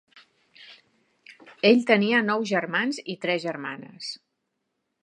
Ell tenia nou germans i tres germanes.